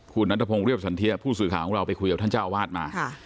คุณนัทพงศ์เรียบสันเทียผู้สื่อข่าวของเราไปคุยกับท่านเจ้าอาวาสมา